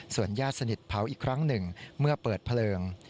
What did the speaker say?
ญาติสนิทเผาอีกครั้งหนึ่งเมื่อเปิดเพลิง